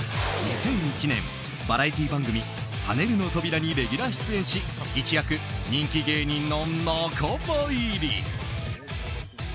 ２００１年、バラエティー番組「はねるのトびら」にレギュラー出演し一躍人気芸人の仲間入り。